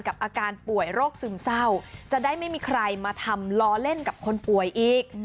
อาการป่วยโรคซึมเศร้าจะได้ไม่มีใครมาทำล้อเล่นกับคนป่วยอีก